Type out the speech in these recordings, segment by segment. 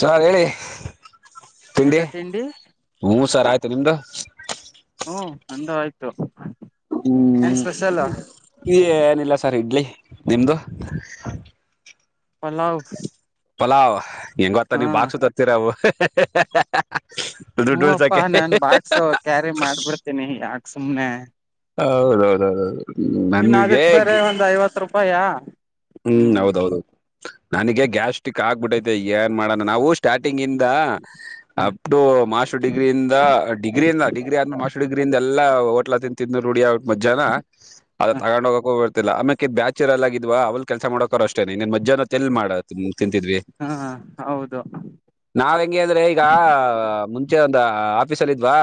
Sir ಹೇಳಿ ತಿಂಡಿ ಹ್ಞ ಸಾರ ಆಯ್ತು ನಿಮ್ದು ಹ್ಮ [unintelligible] ಏನ್ ಹ್ಮ್ ಸ್ಪೆಷಲ್ ಈ ಏನಿಲ್ಲ ಸರ್ ಇಡ್ಲಿ ನಿಮ್ದು ಪಲಾವ ಪಲಾವ್ ಹೆಂಗ ಗೊತ್ತ ನೀವು ಬಾಕ್ಸು ತರ್ತ್ತೀರ ಅವು ದುಡ್ಡು ಉಳ್ಸಕೆ ರಿ ಮಾಡ್ಬಿಡ್ತೇನಿ ಯಾಕ್ ಸುಮ್ನೆ ಹೌದೌದೌದೌದು ಇನ್ನ ನನಗೆ ಅಕ್ತಾರೆ ಒಂದ್ ಐವತ್ತು ರೂಪಾಯ ಹ್ಮ್ ಹೌದೌದೌದ ನನಗೆ ಗ್ಯಾಸ್ಟ್ರಿಕ್ ಆಗ್ಬಿಟ್ಟೈತೆ ಏನ್ ಮಾಡ ನಾವು ಸ್ಟಾರ್ಟಿಂಗ್ ಇಂದ ಹ ಅಪ್ಟೂ ಮಾಸ್ಟರ್ ಡಿಗ್ರಿಂದ ಡಿಗ್ರಿಯಿಂದ ಡಿಗ್ರಿ ಆದ್ಮೇ ಮಸುಡ್ಗ್ರಿಂದ ಎಲ್ಲಾ ಹೋಟ್ಲಾ ತಿಂದ ತಿಂದು ರೂಡಿ ಆಗ್ಬಿಟ್ ಮಧ್ಯಾಹ್ನ ಅದ ಹ ತಗೊಂಡ ಹೋಗಕೂ ಲ್ಲ ಆಮ್ಯಾಕೆ ಬ್ಯಾಚರ್ಲ್ಲಗಿದ್ವ ಅವ್ಲ್ ಕೆಲಸ ಮಾಡೋಕೋ ಅಷ್ಟೇನೆ ನೀನ್ ಮದ್ಯಾಹ್ನ ಹೊತ್ತು ಎಲ್ ಮಾಡತ್ರೀ ತಿಂತಿದ್ವಿ ಹಾ ಹೌದು ನಾವ ಹೆಂಗೆ ಅಂದ್ರೆ ಈಗ ಮು ಂಚೆ ಒಂದ್ ಆಫೀಸ ಅಲ್ಲಿ ಇದ್ವಾ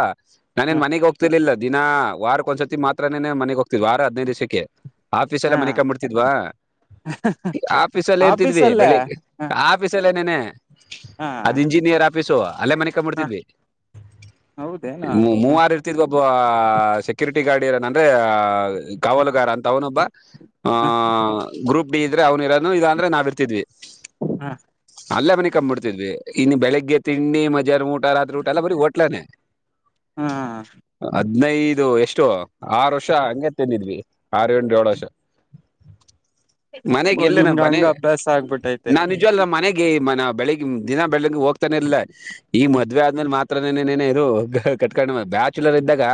ಹ ನಾನೇನ್ ಮನಿಗ್ ಹೋಗ್ತಿರ್ಲಿಲ್ಲ ದಿನ ವಾರಕ್ಕ ಒಂದ್ಸರ್ತಿ ಮಾತ್ರೇನೆ ಮನೆಗ್ ಹೋಗ್ತಿದ್ ವಾರ ಹದ್ನೈದಿವ್ಸಕ್ಕೆ ಆಫೀಸ್ ಹಾ ಅಲ್ಲೇ ಮನಿಕಂಬಿಡ್ತಿದ್ವಾ ಆಫೀಸ್ ಅಲ್ಲೇ ಇರ್ತಿದ್ವಿ ಆಫೀಸಲ್ಲೇ ಬೆಳಿಗ್ ಹ ಆಫೀಸ್ ನೆನೆ ಹಾ ಅದ ಇಂಜಿನಿಯರ್ ಆಫೀಸು ಅಲ್ಲೇ ಹ ಮನಿಕಂಬಿಡ್ತಿದ್ವಿ ಹೌದೇನಾ ಹ ಮೂವಾರ ಇರ್ತಿದ್ ಒಬ್ಬ ಸೆಕ್ಯೂರಿಟಿ ಟಿ ಗಾಡಿ ಇರನ್ ಅಂದ್ರೆ ಕಾವಲುಗಾರ ಅಂತ ಅವನೊಬ್ಬ ಹ ಆಹ ಗ್ರೂಪ್ ಡಿ ಇದ್ರೆ ಅವ್ನು ಇರೋನು ಇಲ್ಲ ಅಂದ್ರೆ ನಾವ್ ಇರ್ತಿದ್ವಿ ಹ ಅಲ್ಲೇ ಮನಿಕಂಬಿಡ್ತಿದ್ವಿ ಇನ್ನು ಬೆಳಿಗ್ಗೆ ತಿಂಡಿ ಮ ಧ್ಯಾಹ್ನ ಊಟ ರಾತ್ರಿ ಊಟ ಎಲ್ಲ ಬರೀ ಹೋಟ್ಲೇನೇ ಹಾ ಹದ್ನೈದು ಎಷ್ಟು ಆರು ವರ್ಷ ಹಂಗೆ ತಿಂದಿದ್ವಿ ಆರು ಎಂಡ ಏಳು ವರ್ಷ ಮನೆಗೆಲ್ಲನಾ ನಿಮ್ಗ ಮನೆ ಹಂಗ ಅಭ್ಯಾಸ ಆಗ್ಬಿಟ್ಟೈತೆ ನಾ ನಿಜವಾಗ್ಲೂ ನಮ್ ಮನೆಗೆ ಮನ ಬೆಳಿಗ್ ದಿನ ಬೆಳಗ್ಗೆ ಹೋಗ್ತಾನೆ ಇರ್ಲಿಲ್ಲ ಈ ಮದ್ವೆ ಆದ್ಮೇಲೆ ಮಾತ್ರನೆನೇ ಇದು ಕಟ್ಕೊಂಡ್ ಬ್ಯಾಚುಲರ್ ಇದ್ದಾಗ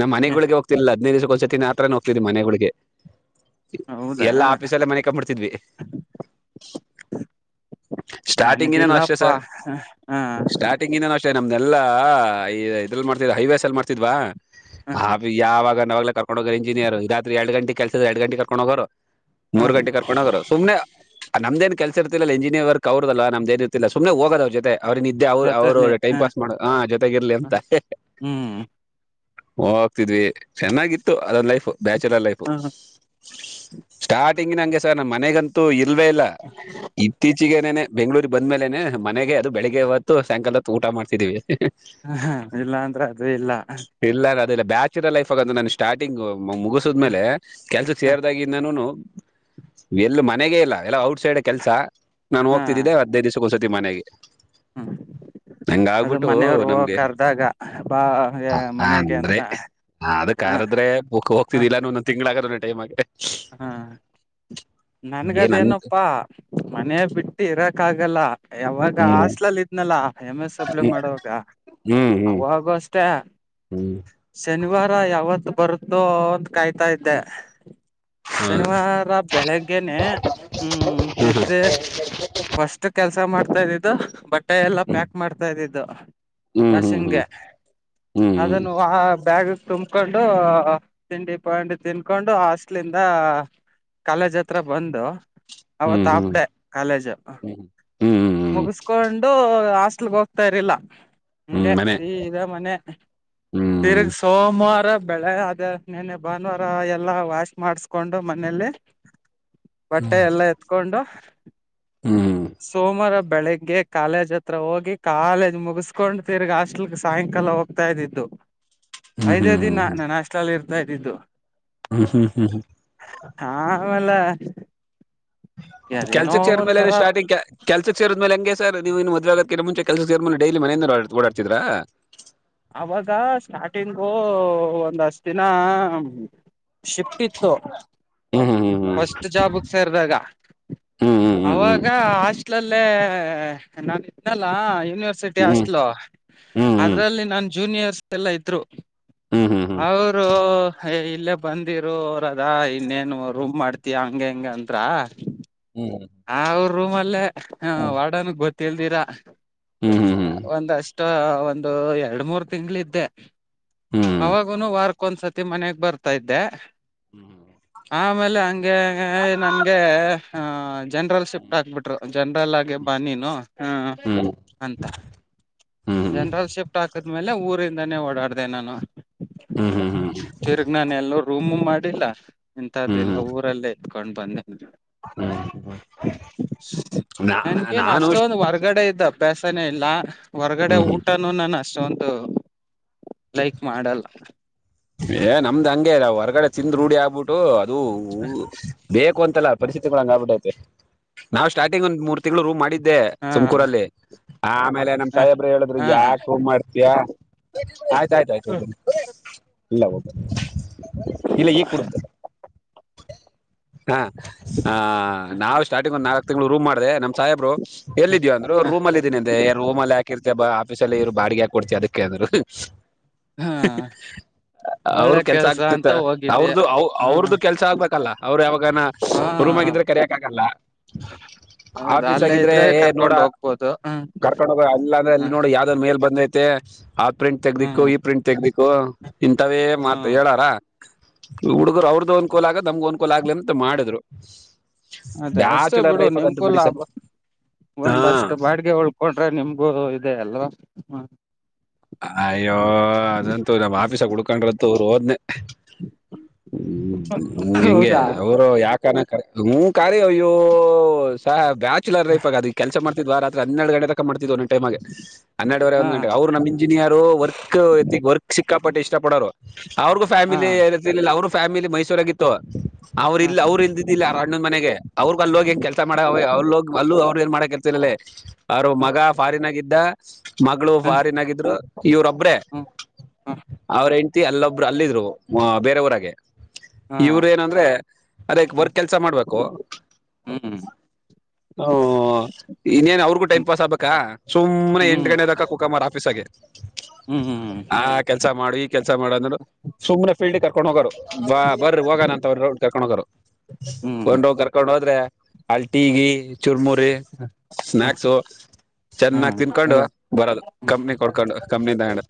ನಾ ಹ್ಮ್ ಮನೆಗುಳಿಗೆ ಹೋಗ್ತಿರ್ಲಿಲ್ಲ ಹದ್ನೈದು ದಿವ್ಸಕ್ ಒಂದ್ಸತಿ ನಾತ್ರರನ ಹೋಗ್ತಿದ್ವಿ ಮನೆಗುಳಿಗೆ ಹೌದಾ ಫೀಸ್ ಅಲ್ಲೇ ಮನಿಕಂಬಿಡ್ತಿದ್ವಿ ಸ್ಟಾರ್ಟಿಂಗ್ ಇಂದಾನು ಅಷ್ಟೇ ನನಗಿಲ್ಲಪ್ಪಾ ಸಾರ್ ಹ ಸ್ಟಾರ್ಟಿಂಗ್ ಇಂದಾನು ಅಷ್ ಷ್ಟೇ ನಮ್ನೆಲ್ಲ ಇ ಇದ್ರಲ್ಲಿ ಮಾಡ್ತ್ ಹೈವೇಸ್ ಅಲ್ಲಿ ಮಾಡ್ತಿದ್ವಾ ಹ ಅದ್ ಯಾವಾಗ ವೆಲ್ಲ ಕರ್ಕೊಂಡ ಹೋಗೋ ಇಂಜಿನಿಯರ್ ಎರ್ಡ್ ಗಂಟೆ ಕೆಲ್ಸ ಇದ್ ಎರ್ಡ ಗಂಟೆಗ್ ಕರ್ಕೊಂಡ ಹೋಗೋರು ಹ ಮೂರ್ ಗಂಟೆಗೆ ಕರ್ಕೊಂಡು ಹೋಗೋರು ಸುಮ್ನೆ ಆ ನಮ್ದೇನ್ ಕೆಲ್ಸ್ ಇರ್ತಿರ್ಲಿಲ್ಲ ಇಂಜಿನಿಯರ್ ವರ್ಕ್ ಅವ್ರದಲ್ಲ ನಮ್ದೇನ ಇರ್ತಿರ್ಲಿಲ್ಲ ಸುಮ್ನೆ ಹೋಗದ್ ಅವ್ರ ಜೊತೆ ಅವ್ರನ್ನಿದ್ದೆ ಅವ್ರು ಅವ್ರು ಜೊತಲಿ ಹ ಟೈಮ್ ಪಾಸ್ ಮಾಡ ಹಾ ಜೊತೆಗಿರ್ಲಿ ಅಂತ ಹ್ಮ್ ಹೋಗ್ತಿದ್ವಿ ಚೆನ್ನಾಗಿತ್ತು ಅದ ಲೈಫ್ ಬ್ಯಾಚುಲರ್ ಲೈಫ್ ಹ ಸ್ಟಾರ್ಟಿಂಗ್ ನ ಹಂಗೆ ಸರ್ ನಮ್ಮ ಮನೆಗಂತೂ ಇಲ್ವೇ ಇಲ್ಲ ಇತ್ತೀಚಗೇನೇನೆ ಬೆಂಗಳೂರ್ ಬಂದ ಮೇಲೆೇನೆ ಮನೆಗೆ ಅದು ಬೆಳಿಗ್ಗೆ ಹೊತ್ತು ಸಾಯಂಕಾಲದೊತ್ತು ಊಟ ಮಾಡ್ತಿದೀವಿ ಹಾ ಇಲ್ಲ ಅಂದ್ರ ಅದು ಇಲ್ಲ ಅಲ್ಲ ಬ್ಯಾಚುಲರ್ ಲೈಫ್ ಆಗ ನಾನು ಸ್ಟಾರ್ಟಿಂಗ್ ಹ ಮುಗಸದ್ಮೇಲೆ ಕೆಲ್ಸಕ್ಕೆ ಸೇರ್ದಾಗಿಂದಾನುನು ಎಲ್ಲಿ ಮನೆಗೆೇ ಇಲ್ಲ ಎಲ್ಲ ಔಟ್ ಸೈಡೇ ಕೆಲ್ಸ ನಾನು ಹೋಗ್ತಿದ್ದೆ ಹದ್ನೈದು ದಿವಸಕೊಂದಸಾ ತಿ ಮನೆಗೆ ಹೂಂ ನಂಗ ಅದು ಆಗ್ಬಿಟ್ಟು ಮನೆಯವ್ರು ಹೋಗ ನಮ್ಗೆ ಕರ್ದಾಗ ಬಾ ಮನೆಗೆ ಅಂತ ಆದ ಹ ಕರದ್ರೆ ಬುಕ್ ಹೋಗ್ತಿದ್ದಿಲ್ಲಾನು ಒಂದೊಂದ ತಿಂಗ್ಳ ಆಗುತ್ತೇ ಟೈಮಿಗೆ ಹಾ ಏನಂತ ನನ್ಗದೇನೋಪ್ಪಾ ಮನೇ ಬಿಟ್ಟು ಇರಕ್ ಆಗಲ್ಲ ಯಾವಾಗ ಹ್ಮ್ ಆಸ್ಲಲ್ ಇದ್ನಲ್ಲಾ ಎಮ್ ಎಸ್ ಅಪ್ಲೈ ಮಾಡುವಾಗ ಹ್ಮ್ ಹ್ಮ್ ಅವಾಗಷ್ಟೇ ಹ್ಮ್ ಶನಿವಾರ್ ರಾ ಯಾವತ್ತು ಬರುತ್ತೋ ಅಂತ ಕಾಯ್ತಾ ಇದ್ದೆ ಶನಿವಾರ ಬೆಳಗ್ಗೆನೆೇ ಹ್ಮ್ ಎದ್ದೀ ಫಸ್ಟ್ ಕೆಲ್ಸ ಮಾಡ್ತಾ ಇದಿದ್ದು ಬಟ್ಟೆ ಎಲ್ಲಾ ಪ್ಯಾಕ್ ಮಾಡ್ತಾ ಇದ್ದಿದ್ದು ಹ್ಮ್ ಹ್ಮ್ ಹ್ಮ್ ವಾಶಿಂಗೆ ಹ್ಮ್ ಅದನ್ನು ಆ ಬ್ಯಾಗ ತುಂಬಕೊಂಡು ತಿಂಡಿ ಪಂಡಿ ತಿನ್ಕೊಂಡು ಆಸ್ ಲಿಂದ ಕಾಲಜ್ ಹತ್ರ ಬಂದು ಹ್ಮ್ ಹ್ಮ್ ಅವತ್ತುಾಪ್ಡೆ ಕಾಲೇಜ್ ಹ್ಮ್ ಹ್ಮ್ ಮುಗಿಸಕೊಂಡು ಹಾಸ್ಟಲ್ಗೆ ಹೋಗ್ತಾರ್ಲಿಲ್ಲ ಹ್ಮ್ ಹಗೆ ಮನೆ ಸೀದ ಮನೆ ಹ್ಮ್ ತಿರ್ಗಿ ಸೋಮವಾರ ಬೆಳೆ ಅದ ನೆನೆ ಭಾನುವಾರ ಎಲ್ಲಾ ವಾಶ್ ಮಾಡಸ್ಕೊಂಡು ಮನೇಲಿ ಹ್ಮ್ ಬಟ್ಟೆ ಹ್ಮ್ ಎಲ್ಲಾ ಎತ್ಕೊಂಡು ಸೋಮ ಬೆಳಿಗ್ಗೆ ಕಾಲೇಜ್ ಹತ್ರ ಹೋಗಿ ಕಾಲೇಜ್ ಮುಗಿಸ್ಕೊಂಡು ತಿರ್ಗಿ ಹಾಸ್ಟೆಲ್ ಸಾಯಂಕಾಲ ಹೋಗ್ತಾ ಇದ್ದೀನಿ ಹ್ಮ್ ಐದೇ ಹ್ಮ್ ದಿನ ನನ್ನ ಅಷ್ಟಲಲ್ಲಿ ಇರ್ತಾ ಇದ್ದಿದ್ದು ಹ್ಮ್ ಹ್ಮ್ ಹ್ಮ್ ಹ್ಮ ಅಮೇರಿಕ ಕೆಲ್ಸ ಚೇರ್ ಮೇಲೆನೆ ಸ್ಟಾರ್ಟಿಂಗ್ ಕೆಲ್ಸಕ್ ಚೇರ್ ಅ ಆದ್ಮೇಲೆ ಹಂಗೆ ಸರ್ ನೀವು ಇನ್ನು ಮದ್ವೆಗುವೆ ಮುಂಚೆ ಕೆಲಸ ಮೇಲೆ ಡೈಲಿ ಮನೆಯಿಂದ ಓಡಾಡ್ತಿದರಾ ಅವಾಗ ಸ್ಟಾರ್ಟಿಂಗು ಒಂದ್ಷ್ಟ ದಿನ ಶಿಫ್ಟ್ ಇತ್ತು ಹ್ಮ್ ಹ್ಮ್ ಫಸ್ಟ್ ಜಾಬಗೆ ಸೇರ್ದಾಗ ಹ್ಮ್ ಹ್ಮ್ ಅವಾಗ ಹಸ್ಟ್ಲಲ್ಲಿ ನಾನಲ್ಲ ಯೂನಿವರ್ಸಿಟಿ ಹ್ಮ್ ಹ್ಮ್ ಹ್ಮ್ ಅಸ್ ಅದ್ರಲ್ಲಿ ಜನಿಯರ್ಸ್ ಎಲ್ಲ ಇದ್ರು ಹ್ಮ್ ಹ್ಮ್ ಹ್ಮ್ ಹ್ಮ್ ಹ್ಮ್ ಹ್ಮ್ ಹ್ಮ್ ಹ್ಮ್ ಅವರು ಯ ಇಲ್ಲೇ ಬಂದಿರು ಅವರ ಅದ ಇನ್ನೇನು ರೂಮ್ ಮಾಡ್ತಯ ಹಂಗ ಹೆಂಗ ಆ ಅವ್ರ ರೂಮ್ ಅಲ್ಲೇ ವಡನ್ಗ್ ಗೊತ್ತಲ್ದಿರ ಹ್ಮ್ ಹ್ಮ್ ಹ್ಮ್ ಒಂದಷ್ಟ ಇ ಒಂದು ಎರಡ್ ಮೂರ್ ತಿಂಗಳಿದ್ದೆ ಹ್ಮ್ ಅವಾಗ ವಾರಕ್ಕೊಂದ್ಸತಿ ಮನೆಗ್ ಬರ್ತಾ ಇದ್ದೆ ಹ್ಮ್ ಆಮೇಲೆ ಹಂಗೆ ನನ್ಗೆ ಜನರಲ್ ಶಿಫ್ಟ್ ಹಾಕ್ಬಿಟ್ರು ಜನ್ರಲ್ ಆಗೆ ಬಾ ನೀನು ಹ್ಮ್ ಹ್ಮ್ ಅಂತ ಹ್ಮ್ ಹ್ಮ್ ಜನರಲ್ ಶಿಫ್ಟ್ ಹಾಕದ್ಮೇಲೆ ಊರಿಂದಾನೇ ಓಡಾಡ್ದ ನಾನು ಹ್ಮ್ ಹ್ಮ್ ತಿರ್ಗ್ ನಾನ ಎಲ್ಲ ರೂಮ ಮಾಡ ಮಾಡನಿಲ ಹ್ಮ್ ಹ್ಮ್ ಹ್ಮ್ ಇಂಂತದ್ದುಲ್ಲ ಊರಲ್ಲೇ ಎತ್ಕೊಂಡ್ ಬಂದಿ ಹ್ಮ್ ನಾ ನನ್ಗೇನ್ ನಾನು ಅಷ್ಟೊಂದು ಹೊರ್ಗಡೆ ಇದ್ದ ಅಭ್ಯಾಸನೇ ಇಲ್ಲ ಹೊರ್ಗಡೆ ಹ್ಮ್ ಹ್ಮ್ ಊಟನುೂ ನಾನು ಅಷ್ಟೊಂದು ಲೈಕ್ ಮಾಡಲ್ಲ ಏ ನಮ್ದ್ ಹಂಗೆ ಹೊರಗಡೆ ತಿಂದ್ ರೂಢಿ ಆಗ್ಬಿಟ್ಟು ಅದು ಬ ಂತಲ್ಲ ಪರಿಸ್ಥಿತಿಗಳು ಹಾಗಾಗ್ಬಿಟಿದೆ ನಾವು ಸ್ಟಾರ್ಟಿಂಗ್ ಒಂದ ಮೂರು ತಿಂಗಳು ಮಾಡಿದ್ದ ಹಾ ತುಮಕೂರಲ್ಲಿ ಆಮೇಲೆ ನಮ ಹ ಸಾಯಿಬ್ರ ಹೇಳಿದ್ರು ಹಾ ಯಾಕ ಹ ಹೂ ಮಾಡ್ತಯ ಆಯ್ತಾಯ್ತ ಆಯ್ತು ಹೋಗಬನೆ ಇಲ್ಲ ಹದು ಇಲ್ಲ ಈ ಕುಡತೆ ಹಾ ಹ ನಾವು ಸ್ಟಾರ್ಟಿಂಗ್ ಒಂದು ನಾಲ್ಕ ತಿಂಗಳು ರೂಮ್ ಮಾಡಿದೆ ನಮ್ಮ ಸಾಹೇಬ್ರು ಎಲ್ಲ ಎಳೆದಿದ್ದಾರೆ ಅಂದ್ರು ರೂಮ ಅಲ್ಲಿ ಇದೀನಿ ಅಂತೆ ರೂಮ ಅಲ್ಲಿ ಹಾಕಿರ್ತ ಬ ಸ್ಪೆಷಲ್ ಇ್ರು ಬಾಡಿಗೆ ಹಾಕ ಕೊಡ್ತಿ ಅದಕ್ಕೆ ಆದ್ರರು ಹ ಒಳ್ಳೆ ಅವರು ಕೆಲ್ಸ ಆಗ್ತಿತ್ತ ಅಂತ ಹೋಗಿದ್ದೆ ಅವ್ರದುು ಹ್ಮ ಅವ್ರದ್ದು ಕೆಲ್ಸ ಆಗ್ಬೇಕಲ್ಲ ಅವ್ರು ಯಾವಾಗನ ರೂಮ್ ಹಾ ಆಗಿದ್ರೆ ಕರಿಯಕ್ ಆಗಲ್ಲ ಹೌದಾ ಆಫೀಸ್ ಅಲ್ಲೇ ಆಗಿದ್ರೆ ಇದ್ರೆ ಏ ನೋಡ ಕರ್ಕೊಂಡ್ ಹೋಗ್ಬೋದು ಹ್ಮ್ ಕರ್ಕೊಂಡ ಹೋಗ ಅಲ್ಲ ಅಂದ್ರೆ ಅಲ್ಲಿ ನೋಡ ಯಾವ್ದ ಬಂದೈತೆ ಆ ಪ್ರಿಂಟ್ ತೆಗ್ದಿಕ್ಕು ಹ್ಮ್ ಈ ಪ್ರಿಂಟ್ ತೆಗ್ದಿಿಕು ಇಂತವೇ ಮಾತ ಹ್ಮ್ ಹೇಳಾರ ಹ್ಮ್ ಹುಡ್ಗರು ಅವ್ರದ್ದು ಅನ್ಕೂಲ ಆಗ ನಮಗೂ ಅನ್ಕೂಲ ಆಗ್ಲಿ ಅಂತ ಮಾಡಿದ್ರು ಅದೇ ಅಷ್ಟೇ ಬ್ಯಾಚುಲರ್ ಬಿಡು ಲೈಫ್ ಆಗಂತೂ ನಿಮ್ಗೂ ಬಿಡಿ ಲಾಭ ಸರ್ ಹಾ ಒಂದಷ್ಟು ಬಾಡಿಗೆ ಉಳ್ಕೊಂಡ್ರೆ ನಿಮಗೂ ಇದೆ ಅಲ್ವಾ ಹ್ಮ ಅಯ್ಯೋ ಅದಂತೂ ನಮ್ಮ್ ಆಫೀಸಾಗ ಉುಡ್ಕೊಂಡ್ರ್ದರು ಹೋದ್ನೆ ಹ ಹ ಹಿಂಗೆ ಹೌದಾ ಅವರು ಯಾಕ ಹ ಕಾರಾರಿ ಅಯ್ಯ ಸಹ ಬ್ಯಾಚುಲರ್ ಲೈಫ್ ಆಗ ಅದ ಕೆಸ ಮಾಡ್ತ ರಾತ್ರಿ ಹನ್ನೆಡು ಗಂಟೆ ತಕ ಮಾಡ್ತಿದ್ದ ಒ ೈಮ್ಗೆ ಹೆರವರೆ ಹಾ ಒಂದು ಗಟೆಗೆ ಅವರು ನಮ ವರ್ಕ್ ವರ್ಕ್ ಸಿಕ್ಕಾಪಟ್ಟು ಇಷ್ಟ ಪಡೋರು ಅವ್ರಿಗೂ ಹಾ ಫ್ಯಾಮಿಲಿ ಅವ್ರ ಫ್ಯಾಮಿಲಿ ಮೈಸೂರಾಗಿಿತ್ತು ಅವ್ರರು ಹಾ ಇಲ್ ಅವರು ಇಲ್ದಿದ್ದಿಲ್ಲ ಅಣ್ಣಂದ್ ಮನೆಗೆ ಅವ್ರರು ಅಲ್ಲೋಗಿ ಕೆಲಸ ಮಾಡ ಅವ್ರೋಗ ಅಲ್ಲೂ ಅವ್ರ ಏನ್ ಮಾಡಕರ್ತಿಿಲ್ಲ ಅವರು ಮಗ ಫಾರಿನಗಿದ್ದ ಮಗಳು ಹಾ ಫಾರಿನಗಿದ್ದ ಇವ್ರೊಬ್ರೇ ಹ್ಮ ಅವ್ರ ಹೆಂಡತಿ ಅಲ್ಲೊಬ್ರು ಅಲ್ಲಿದ್ರು ಬೇರೆವರಾಗ ಹಾ ಇವರು ಹಾ ಏನಂದ್ರೆ ಅದಕ್ ವರ್ಕ್ ಕೆಲ್ಸ ಮಾಡ್ಬೇಕು ಹ್ಮ್ [inaudible] ಹಓ ಇನ್ನೇನ್ ಅವ್ರಿಗೂ ಟೈಮ್ ಹ್ಮ್ ಪಾಸ್ ಆಗ್ಬೇಕಾ ಸುಮ್ನೆ ಹ್ಮ್ ಎಂಟು ಗಂದಕ ಕುಕ ಮರ್ ಆಫೀಸ್ ಆಗೆ ಹ್ಮ್ ಹ್ಮ್ ಆ ಕೆಲ್ಸ ಮಾಡು ಈ ಕೆಲ್ಸ ಮಾಡ ಅಂದೋಡು ಸುಮ್ನೆ ಫೀಲ್ಡ್ ಕರ್ಕೊಂಡ್ ಹೋಗೋರು ಬಾ ಬರ್ರಿ ಹೋಗಣ ಅಂತವ್ರ ರೌಡ್ ಕರ್ಕೊಂಡ ಹೋಗೋರು ಹ್ಮ್ ಒಂದ ರೌಡ್ ಕರ್ಕೊಂಡು ಹೋದ್ರೆ ಅಲ್ಲೀ ಟೀ ಚುರ್ಮುರಿ ಸ್ನಾಯಕ್ಸು ಚೆನ್ನಾಗ ಹ್ಮ್ ತಿನ್ಕೊಂಡು ಎಲ್ಲ ಬರದು ಕಮ್ಮನಿ ಕೊ ಕಮ್ಮನಿ ದಣ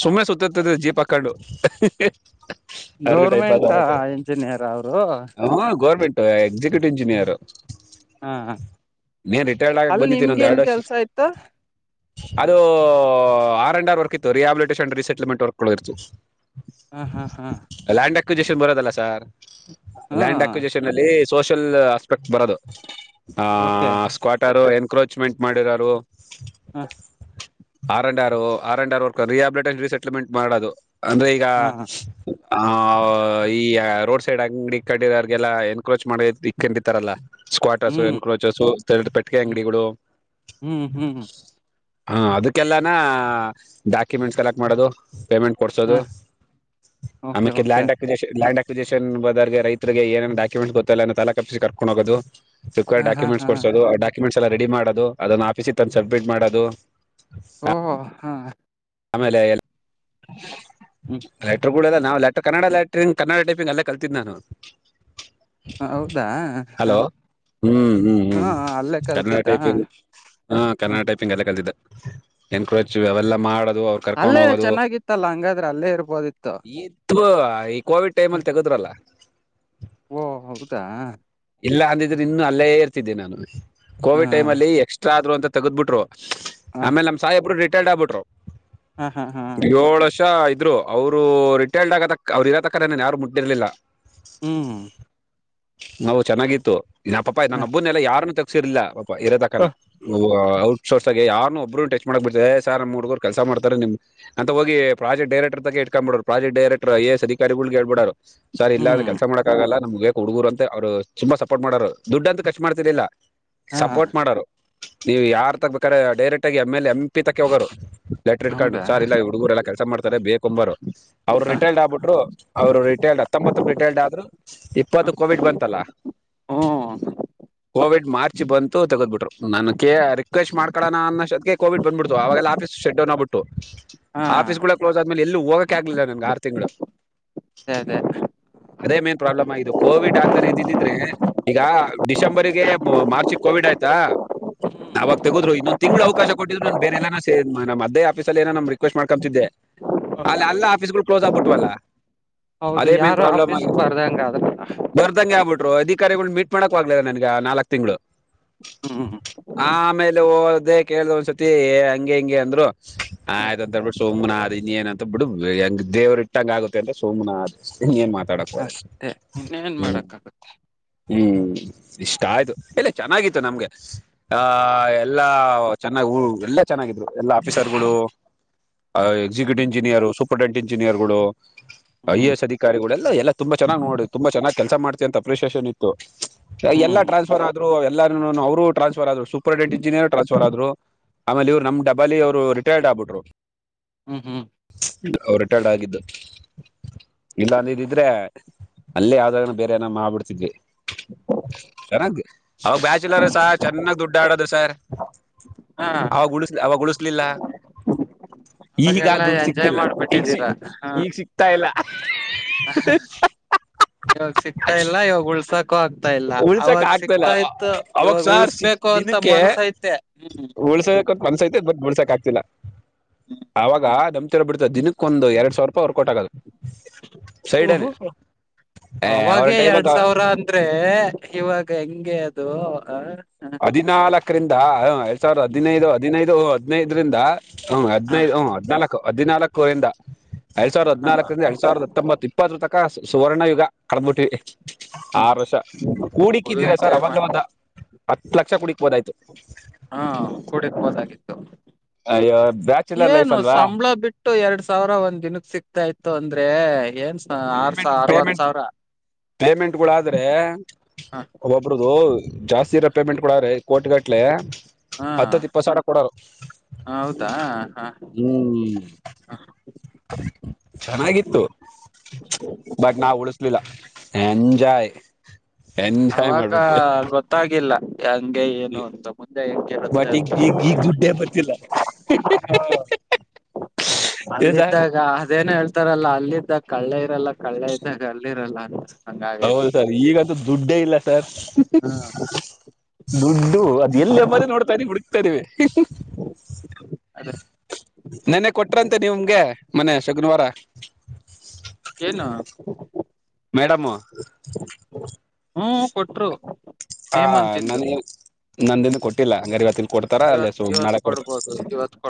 ಸುಮ್ಮನೆ ಸುತ್ತತದೆ ಜೀಪ್ ಹಾಕ್ಕೊಂಡು ಅರ್ಗೈಪ್ ಅ ಗೌರ್ಮೆಂಟ್ ಇಂಜಿನಿಯರ್ ಅವರು ಹ ಗೋರ್ಮೆಂಟ್ ಎಕ್ಸಿಕ್ಯೂಟಿವ್ ಇಂಜಿನಿಯರ್ ಹ ನೀನ್ ರಿಟೈರ್ಡ್ ಆಗಕ್ ಅಲ್ಲಿ ಬಂದಿದ್ದೀನ ಒಂದ ಎರಡು ನಿಮ್ಗೇನ್ ವರ್ಷ ಕೆಲ್ಸ ಇತ್ತು ಅದು ಆರ್ ಎಂಡ್ ಆರ್ ವರ್ಕ್ ಇತ್ತು ರಿಹ್ಯಾಬಿಲಿಟೇಷನ್ ರೀಿಸೆಟಲ್ಮೆಂಟ್ ವರ್ಕ್ಗಳು ಇರ್ತ್ತು ಹಾ ಹಾ ಹಾ ಎಷನ್ ಬರೋದಲ್ಲ ಸರ್ ಹಾ ಲ್ಯಾಂಡ್ ಎಕ್ಜಷನ್ ಅಲ್ಲಿ ಸೋಷಲ್ ಬರೋದು ಆ ಓಕೆ ಸ್ಟರ್ ಎನ್ಕ್ರೋಚ್ಮೆಂಟ್ ಮಾಡಿರೋರು ಹಾ R and R R and R rehabilitation resettlement ಮಾಡೋದು ಅಂದ್ರೆ ಈಗ ಹಾ ಆ ಈ ರೋಡ ಸೈಡ್ ಅಂಗಡಿ ಕಡಿೋರ್ಲ್ಲ ಎನ್ಕ್ರೋಚ್ ಮಾಡ ಇಕ್ಕೊಂಡಿಿತಾರಲ್ಲ ಸ್ಕವಾಟಸು ಹ್ಮ್ ಎಣಕೋಚಸು ಪೆಟ್ಟಕ ಹ್ಮ್ ಅಂಗಡಿಗಳು ಹ್ಮ್ ಹ್ಮ್ ಹ್ಮ ಹಾ ಅದಕ್ಕೆಲ್ಲಾನ ಡಾಕ್ಯುಮೆಂಟ್ ಕಲೆಕ್ಟ್ ಮಾಡೋದು ಪೇಮೆಂಟ್ ಹ ಕೊಡ್ಸೋದು ಓಕೆ ಆಮ್ಯಾಕೆ okay land acquisition land application ಬದಾದಗೆ ರೈ ರಿಗೆ ಏೇ ಡಾಕ್ಯುಮೆಂಸ್ ಗೊತ್ತಲ್ಲ ತಾ ಕಪ್ಪಿಸಿ ಕರ್ಕೊಂಡ ಹೋಗೊದು ಸಕ್ವರ್ ಹ ಹಾ ಡಾಕುಮೆಂಟ್ ಹಾ ಕೊಸೋದು ಆ ಡಾಕುಮೆಂಸ್ ಎಲ್ಲ ರೆಡಿ ಮಾಡೋದು ಅದ ಆಫೀಸ್ ತ ಸ್ಮಿಟ್ ಮಾಡದು ಓಹೋ ಹಾ ಆಮೇಲೆ ಹ್ಮ್ ಲೇಟರ್ಗಳಲ್ಲ ನಾವವು ಟರ್ ಕನ್ನಡ ಲಟ್ರಿಂಗ್ ಕನ್ನಡ ಟೈಪಿಂಗ್ ಎಲ್ಲ ಕಲ್ತಿದ್ದ ನಾನು ಹ ಹೌದಾ ಹ ಹಲೋ ಹ್ಮ್ ಹ್ಮ್ ಹ್ಮ್ ಕನ್ನಡ ಹ ಟೈಪಿಂಗ್ ಹ ಕನ್ನಡ ಟೈಪಿಂಗ್ ಎಲ್ಲ ಕಲ್ತಿದೆ ಎನ್ಕಚ್ಚಿವ ಅವಲ್ಲಾ ಮಾಡದು ಅವ್ರು ಕರ್ಕೊಂಡ್ ಅಲ್ಲೇ ಹೋಗೋದು ಚೆನ್ನಾಗಿತ್ತಲ್ಲ ಹಂಗಾದ್ರೆ ಅಲ್ಲೇ ಇರ್ಬೋದಿತ್ತು ಇದು ಈ ಕೋವಿಡ್ ಟೈಮ್ ಹ್ಮ್. ಅಲ್ಲಿ ತೆಗೆದ ಲ ಓ ಹೌದಾ ಇಲ್ಲ ಅಂದಿದ್ರೆ ಇನ್ನ ಅಲ್ಲೇ ಇರ್ತಿದ್ದೆ ನಾನು ಹಾ ಕೋವಿಡ್ ಟೈಮ್ಲ್ಲಿ ಎಕ್ಸ್ಟ್ರಾ ಆದ್ರು ಅಂತ ತೆಗೆದ್ಬಿಟ್ರು ಹ ಆಮೇಲೆ ನಮ್ ಸಾಯಿಬ್ರು ರಿಟೈರ್ಡ್ ಆಗ್ಬಿಟ್ರು ಹಾ ಹಾ ಹಾ ಹ ಷ ಇದ್ರು ಅವರು ರಿಟೈರ್ಡ್ ಆಗತ ಅವ್ರು ಇರೋತಕ್ಕ ನನ್ ಯಾರು ಮುಟ್ಟಿರ್ಲಿಲ್ಲ ಹ್ಮ್ ನಾವು ಚೆನ್ನಾಗಿತ್ತು ಇ ಪಾಪ ಹ ನನ್ನಬ್ನ್ನೆಲ್ಲ ಯಾರನ್ನುೂ ತಗಸಿರ್ಲಿಲ್ಲ ಪಾಪಾ ಇರೋದಕನ ಉ ಅವ್ರು ಶೋರ್ಸ್ ಆಗ ಯಾರು ಒಬ್ಬೂ ಟಚ್ ಮಾಡಕ್ಬ ಬಿಡ್ತ ಸ ನಮ್ಮ ಮೂುಡುಗರು ಕೆಲಸ ಮಾಡ್ತಾರೆ ನಿಮ್ ಅಂತ ಹೋಗಿ ಪ್ರಾಜೆಕ್ಟ್ ಡೈರೆಕ್ಟರ ತಕೆ ಕ ಮಾಡಬ ಪ್ರೆಕ್ಟ್ ಡರೆಕ್ರ್ ಎಸ್ ಅಿಕಾರಿಗಳುಗ್ೇಳ್ಬಡಾರ ಸರ್ ಇಲ್ಲಂದ್ರೆ ಹ್ಮ್ ಕೆಲಸ ಮಾಡಕಕ್ ಆಗಲ್ಲ ನಮ್ಗ್ಗಕ್ ಹುಡುಗುರು ಅಂತ ಅವರು ತುಂಬಾ ಸಪೋರ್ಟ್ ಮಾಡರು ದುಡ್ಡ ಅಂತ ಖಚ ಮಾಡ್ತಿರ್ಲಿಲ್ಲ ಹಾ ಸಪೋರ್ಟ್ ಮಾಡೋರು ನೀವು ಯಾರ್ು ತಗಬೇಕಾದ್ರೆ ಡೈರೆಕ್ಟ್ ಆಗಿ ಎಮ ಎಲ್ ಎಂ ಪ್ಪಿ ತಕ್ಕೆ ಹೋಗೋ ಲೆಟರ್ ಇಟ್ಕೊಂಡು ಹೌದಾ ಸಾರ್ ಇಲ್ಲ ಈ ಹುಡುಗುರು ಎಲ್ಲ ಕೆಲಸ ಮಾಡ್ತಾರೆ ಬೇಕುಂಬರು ಅವರು ರಿಟೈರ್ಡ್ ಆಗ್ಬಿಟ್ರು ಅವರು ರಿಟೈರ್ಡ್ ಹತ್ತೊಂಬತ್ತ ರಿಟೈರ್ಡ್ ಆದ್ರು ಇಪ್ಪತ್ತ ಕೋವಿಡ್ ಬಂತಲ್ಲ ಹ್ಮ ಕೋವಿಡ್ ಮಾರ್ಚ್ ಬಂತು ತಗೋಬಿಟ್ರು ನನ್ಗೆ ರಿಕ್ವೆಸ್ಟ್ ಮಾಡ್ಕೋಣ ಅನ್ನಷ್ಟೋದಕ್ಕೆ ಕೋವಿಡ್ ಬಂದ್ಬಿಡ್ತು ಅವೆಲ್ಲ ಆಫೀ ಶೆಡ್ಯ ನಬ ಬಿಟ್ಟು ಹಾ ಆಫೀಸ್ ಕೂಡ ಕ್ಲೋಸ್ ಆದ್ಮೇಲೆ ಎಲ್ಲೂ ಹೋಗಕ್ಕೆ ಆಗ್ಲಿಲ್ಲ ನನ್ಗೆ ಆರು ತಿಂಗಳು ಅದೇ ಅದೇ ಹ್ಮ್ ಅದೇ ಮೇನ್ ಪ್ರಾಬ್ಲಮ್ ಆಗಿದ್ದು ಕೋವಿಡ್ ಆಗ್ ಇದಿದ್ರೆ ಈಗ ಡಿಸೆಂಬರ್ಗೆ ಮಾರ್ಚ್ಗೆ ಕೋವಿಡ್ ಆಯ್ತಾ ಅವಾವಾಗ ತಗೋದ್ರು ಇನ್ನೊಂದ ತಿಂಗ್ಳ ಅವಕಾಶ ಕೊಟ್ಟಿದ್ ನನ್ ಬೇರೆಲ್ಲನ ಸ ನ ಮ ಅದೇ ಆಫೀಲ್ಲಿ ಏನೋ ನಮ ರಿಕ್ವೆಸ್ ಮಾಡ್ಕೊತಿದ್ದೆ ಅಲ್ಲ ಅಲ್ಲ ಆಫೀಸ್ಗಳು ಕ್ಲೋಸ್ ಆಗ್ಬಿಟ್ಟವಲ್ಲ ಹೌದು ಯಾರು ಆಫೀಸ್ ಪ್ರೆಸೆಂಟ್ ಅದೇನಾ ಬರ್ದಂ ಆಗ್ಬಿಟ್ರು ಅಧಿಕಾರಿಗಳ್ ಮೀಟ್ ಮಾಡಕ್ಾಗ್ಲಿಲ್ಲ ನನ್ಗೆ ನಾಲ್ಕ್ ತಿಂಗಳು ಹ್ಮ್ ಆಮೇಲೆ ಓ ೇ ಕೇಳ್ದ ಒಂದ್ಸತಿ ಹಂಗೆ ಹಿಂ ಅಂದರು ಹ ಆಯ್ತ ಅಂತ ಅಬ ಬಿ ಸುಮ್ನ ಆದ್ ಇನ್ ಏನ್ ಅಂತ ಬಿಟ್ಟು ಹೆಂಗ ದೇವರು ಇಟ್ಟಂಗ ಆಗುತ್ತೆ ಅಂತ ಸುಮ್ನಾ ಅ ಏನ್ ಮಾತಾಡಕ್ ಹೋ ಇನ್ನೇಏನ್ ಮಾಡಕ್ಕಾಗತ್ತೆ ಹ್ಮ್ ಇಷ್ಟ ಆಯ್ತು ಇಲ್ಲ ಚೆನ್ನಾಗಿತ್ತು ನಮ್ಗೆ ಆಹ ಎಲ್ಲಾ ಚೆನ್ನಾಗಿ ಹ ಎಲ್ಲ ಚೆನ್ನಾಗಿದ್ರು ಎಲ್ಲಾ ಆಫೀಸರ್ ಗಳು executive engineer superintendent engineer ಗಳು ಐ ಎ ಹ್ಮ್ ಎಸ್ ಅಧಿಕಾರಿಗಳೆಲ್ಲ ಎಲ್ಲಾ ತುಂಬಾ ಚೆನ್ನ್ ನೋಡ ಚೆನ್ನಾಗಿ ಕೆಲಸ ಮಾಡ್ತ ಅಂತ ಅಪ್ರಿಷಿಯೇಷನ್ ಇತ್ತು ಹ್ಮ್ ಎಲ್ಲ ಟ್ರಾನ್ಸ್ಫರ್ ಆದ ಎಲ್ಲ ಅವರು ಟ್ರಾನ್ಸ್ಫರ್ ಆದ್ರು ಸೂಪರ್ಟ್ ಇಂಜಿನಿಯರ್ ಟ್ರನ್ಸ್ಫರ್ ಆದರು ಆಮೇ ಇ್ರು ನಮ್ಮ ಡಬಾಲ ಅವರು ರಿಟೈರ್ಡ್ಗ್ಬಿಟ್ರು ಹ್ಮ್ ಹ್ಮ್ ಇಲ್ಲ ಅವರು ರಿಟೈರ್ಡ್ ಆಗಿದ್ದು ಇಲ್ಲ ನೀದ್ರೆ ಅಲ್ಲೇ ಆದಾಗನ ಬೇರೆ ಏನ ಮಾಡ್ಬ ಬಿಡ್ತಿದ್ವಿ ಅವಾಗ ಬ್ಯಾಚುಲರ್ಸ ಚೆನ್ನಾಗ ದುಡ್ಡಾಡೋದು ಸರ್ ಹಾ ಅವಾಗ ಉಣಸ್ಲಿ ಅವಾಗ ಉಳಿಸ್ಲಿಲ್ಲ ಈಗ ಆ ಅವಾಗೆಲ್ಲಾ ದುಡ್ಡು ಎಂಜಾಯ್ ಸಿಕ್ತಿಲ್ಲ ಈಗ ಸಿ ಮಾಡ್ಬಿಟ್ಟಿದ್ದೀರಾ ಹ ಈಗ ಸಿಕ್ತಾ ಇಲ್ಲ ಇವಾಗ ಸಿಕ್ತಾ ಇಲ್ಲ ಇವಾಗ ಉಳ್ಸಾಕ್ ಆಗ್ತಾ ಇಲ್ಲ ಉಳ್ಸಕ್ ಅವಾಗ ಆಗ್ತಾ ಇಲ್ಲ ಸಿಕ್ತಾ ಅ- ಇತ್ತು ಅವಾಗ ಇವಾಗ ಸಾರ್ ಸಿಕ್ ಉಳಸ್ಬೇಕು ಅಂತ ದಿನಕ್ಕೆ ಮನ್ಸೈತೆ ಹ್ಮ್ ಮಂದ್ಸೈತೆ ಬ ಬಿಡ್ಸಕ್ ಆಗ್ತಿಲ್ಲ ಆವಾಗ ದಂತಿರ ಬಿಡ್ತ ದಿನಕ್ಕ ಒಂದ ಎರಡ್ ಸಾವಿರ ಅವರ್ ಕೊಟ್ಟಾಗದು. ಓಹ ಅವಾಗ ಅವರ ಎರಡ್ ಟೈಮಾಗ ಸಾವಿರ ಅಂದ್ರೆ.. ಇವಾಗ ಹೆಂಗಗೆ ಅದು ಅ.. ಹದಿನಾಲ್ಕರಿಂದ ಎರಡ್ ಸಾವಿರದ ಹದಿನೈದು ಹದಿನೈದು ಹದ್ನೈದ್ರಂದ ಹ್ಮ್ ಹ ಹದ್ನೈದು ಹ್ಮ್ ಹದ್ನಾಲ್ಕು ಹದ್ನಾಲ್ಕುರಿಂದ ಎರಡ್ ಸಾವಿರದ ಹ ಹದ್ನಾಲ್ಕರಿಂದ ಎರಡ್ ಸಾವಿರದ ಹೊಂಬತ್ಪ್ಪತ್ರ ತಕ ಸುವರ್ಣ ಯುಗ ಕಳ್ಬಿಟ್ಟಿ ಹ್ಮ್ ಆರು ಲಷ ಫುಲ್ ಕೂಡಿಕ್ಕಿದ್ದೀರಾ ಸರ್ ಎಂಜಾಯ್ ಅವಲ್ಲ ಮಾಡ ಒಂದ ಹತ್ತು ಲಕ್ಷ ಕೂಡಿಕ್ಬೋದಾಯ್ತು ಹಾ ಕೂಡ ಹೋದಾಗಿತ್ತು ಅ ಅವ ಏನು ಸಂಬಳ ಬಿಟ್ಟು ಎರಡ್ ಸಾವಿರ ಒಂದ್ ದಿನಕ್ ಸಿಕ್ತಾ ಇತ್ತು ಅಂದ್ರೆ ಏನ್ ಆರ್ ಸಾವ ಅರವತ್ ಸಾವಿರ ಪೇಮೆಂಟ್ಗಳುಾದ್ರೆ ಹ ಒಬ್ಬೊಬರುದು ಜಾಸ್ತಿ ಇರೋ ಪೇಮೆಂಟ್ ಕೊಡಾರ ಕೋಟ್ಗಟ್ಲೆ ಹತ್ತತ್ ಇಪ್ಪತ್ತು ಸಾವಿರ ಕೊಡೋರು ಹ ಹೌದಾ ಹ ಹ್ಮ್ ಹ ಚೆನ್ನಾಗಿತ್ತು ಬಟ್ ನಾವ್ ಉಳಿಸಲಿಲ್ಲ ಎಂಜಾಯ. ಅವಾಗ ಗೊತ್ತಾಗಿಲ್ಲ. ಹಂಗೆ ಏನು ಅಂತ ಮುಂದೆ ಹೆಂಗ ಕರುತ್ತ ಬಟ್ ಈಗ ಇತ್ತು ಈಗ ಈಗ ದುಡ್ಡೇ ಬರ್ತಿಲ್ಲ ಹ ಏನ್ ಸರ್ ಅಲ್ಲಿದ್ದಾಗ ಅದೇನು ಹೇಳ್ತಾರಲ್ಲ ಅಲ್ಲಿ ಇದ್ದಾಗ ಕಳ್ಳೆ ಇರಲ್ಲ ಕಳ್ಳೆ ಇದ್ದಾಗ ಅಲ್ಲಿ ಇರಲ್ಲ ಅಂತ. ಹಂಗಾಗೈತಿ ಹೌದು ಸರ್ ಈಗಂತೂ ದುಡ್ಡೇ ಇಲ್ಲ ಸರ್ ಹಾ ದುಡ್ಡು ಅದು ಎಲ್ಲಿ ಮರ ನೋಡ್ತಾ ಇದೀವಿ ಹುಡುಕ್ತಾ ಇದಿವಿ [inaudible] ಅದೇ ಏನು ಮೇಡಮ್ ಹ್ಮ್ ಕೊಟ್ರು ಹಾ ನೇಮಂತಿದ್ದು ನನಗೆ ನಂದಿನ್ನು ಕೊಟ್ಟಿಲ್ಲ ಅಂಗಾರೆ ಇವತ್ತು ಇಲ್ಲಿ ಕೊಡ್ತಾರ ಅಲ್ಲೇ ಇವತ್ ಸು [unintelligible] ಇವತ್ ನಾಳೆ ಕೊಡ್ತಾರ ಕೊಡ್ಬೋದು ಇವತ್ ಕೊಡ್